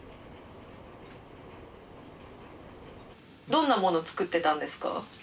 どんな物作ってたんですか？